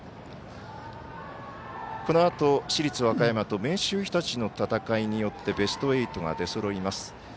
このあと市立和歌山と明秀日立の戦いによってベスト８が出そろいます。